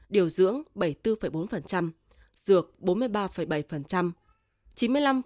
điều dưỡng bảy mươi bốn bốn dược bốn mươi ba bảy